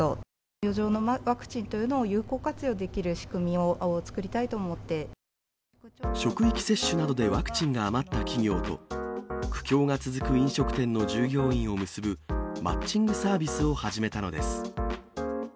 余剰のワクチンというのを有効活用できる仕組みを作りたいと思っ職域接種などでワクチンが余った企業と、苦境が続く飲食店の従業員を結ぶマッチングサービスを始めたのです。